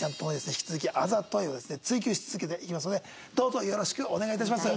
引き続きあざといをですね追求し続けていきますのでどうぞよろしくお願いいたします。